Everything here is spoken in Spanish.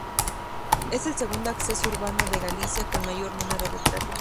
Es el segundo acceso urbano de Galicia con mayor número de tráfico.